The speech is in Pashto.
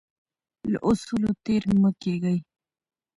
له اصولو تیر مه کیږئ.